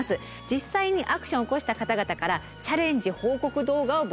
実際にアクションを起こした方々からチャレンジ報告動画を募集しております。